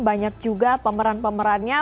banyak juga pemeran pemerannya